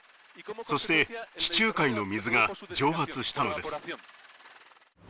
そして地中海の水が蒸発したのです。